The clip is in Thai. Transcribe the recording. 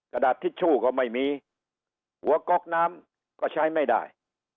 กระดาษทิชชู่ก็ไม่มีหัวก๊อกน้ำก็ใช้ไม่ได้